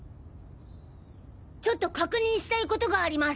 ちょっと確認したいことがあります！